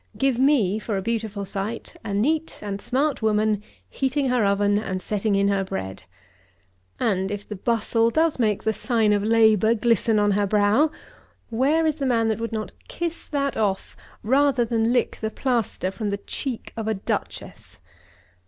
Give me, for a beautiful sight, a neat and smart woman, heating her oven and setting in her bread! And, if the bustle does make the sign of labour glisten on her brow, where is the man that would not kiss that off, rather than lick the plaster from the cheek of a duchess.